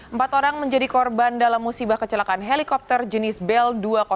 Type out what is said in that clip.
empat orang menjadi korban dalam musibah kecelakaan helikopter jenis bell dua ratus enam